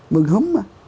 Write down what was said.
mừng húm mà